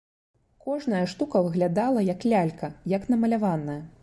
Кожная штука выглядала, як лялька, як намаляваная.